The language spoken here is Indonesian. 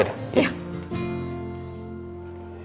kamu mau berangkat apa